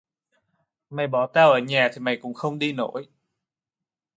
Mày bỏ tao ở nhà thì mày cũng không đi nổi